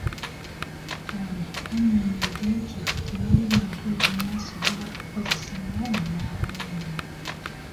Ono annyonnyodde nti tewali muntu yenna asobola kukozesa maanyi n’awangula.